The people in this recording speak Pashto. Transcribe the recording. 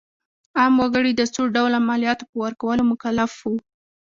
عام وګړي د څو ډوله مالیاتو په ورکولو مکلف وو.